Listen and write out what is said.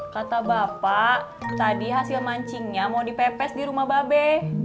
kata bapak tadi hasil mancingnya mau dipepes di rumah babe